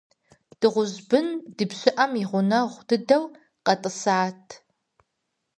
Дыгъужь бын ди пщыӀэм и гъунэгъу дыдэу къэтӀысат.